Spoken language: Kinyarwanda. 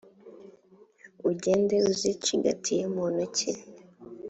ugende uzicigatiye mu ntoki,